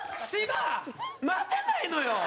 待てないのよ！